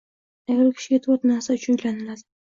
Ayol kishiga toʻrt narsa uchun uylaniladi.